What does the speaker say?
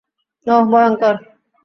ওহ, ভয়ংকর।